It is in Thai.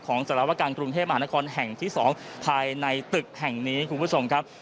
ของสัตว์ละวการกรุงเทพหานครแห่งที่๒ภายในตึกแห่งนี้ครับ